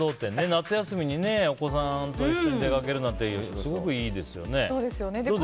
夏休みにお子さんと一緒に出掛けるなんてすごくいいですよね。